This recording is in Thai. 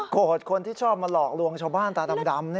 คนที่ชอบมาหลอกลวงชาวบ้านตาดำ